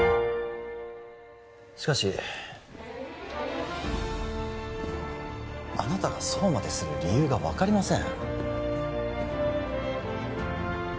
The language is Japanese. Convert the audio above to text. しかしあなたがそうまでする理由が分かりません